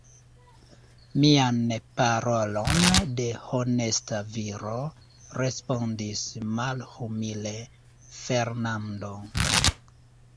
Mian parolon de honesta viro, respondis malhumile Fernando.